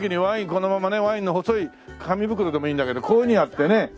このままねワインの細い紙袋でもいいんだけどこういうふうにやってね。